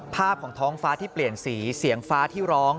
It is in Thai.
ภาพของท้องฟ้าที่เปลี่ยนสีเสียงฟ้าที่ร้อง